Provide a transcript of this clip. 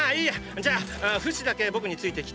じゃあフシだけ僕について来て。